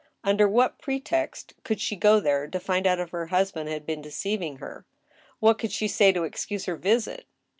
Under what pretext could she go there to find out if her husband had been deceiving her ? What could she say to excuse her visit